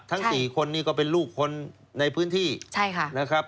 สี่คนนี้ก็เป็นลูกคนในพื้นที่ใช่ค่ะนะครับ